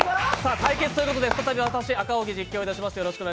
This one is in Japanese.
対決ということで再び私、赤荻が実況いたします。